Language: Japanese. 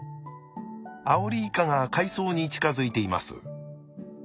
アオリイカが海藻に近づいています。